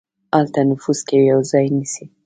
هلته نفوذ کوي او ځای نيسي.